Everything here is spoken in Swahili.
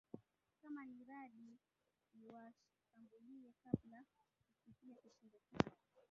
Kama ni radi iliwashambulia kabla kusikia kishindo chake